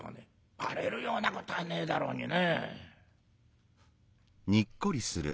バレるようなことはねえだろうにね」。